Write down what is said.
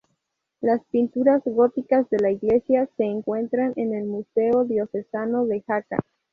Las pinturas góticas de la iglesia se encuentran en el Museo Diocesano de Jaca.